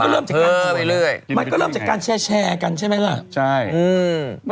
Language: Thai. เพิ่มไปเรื่อยมันก็เริ่มจากการแชร์แชร์กันใช่ไหมล่ะใช่อืม